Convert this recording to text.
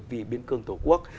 vì biên cương tổ quốc